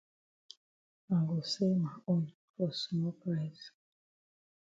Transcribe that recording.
I go sell ma own for small price.